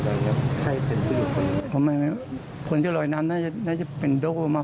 และแล้วก็รวมขึ้นมาดูดูนิดนึงง่ะ